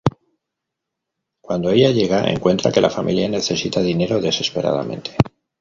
Cuando ella llega, encuentra que la familia necesita dinero desesperadamente.